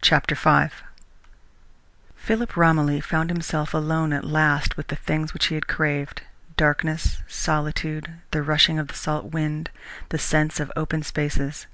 CHAPTER V Philip Romilly found himself alone at last with the things which he had craved darkness, solitude, the rushing of the salt wind, the sense of open spaces.